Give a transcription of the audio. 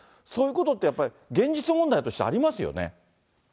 そういうことって、やっぱり現実問題としてありますよね？